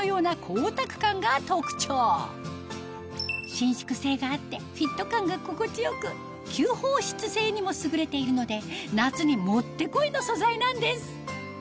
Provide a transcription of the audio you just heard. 伸縮性があってフィット感が心地よく吸放湿性にも優れているので夏にもってこいの素材なんです